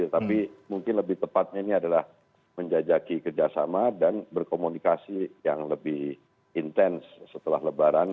tapi mungkin lebih tepatnya ini adalah menjajaki kerjasama dan berkomunikasi yang lebih intens setelah lebaran